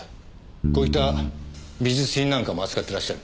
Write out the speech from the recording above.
こういった美術品なんかも扱ってらっしゃる？